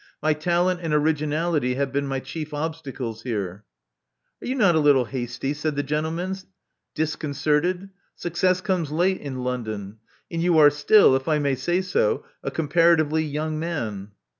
My talent and originality have been my chief obstacles here." Are you not a little hasty?" said the gentleman, disconcerted. Success comes late in London; and you are still, if I may say so, a comparatively young man."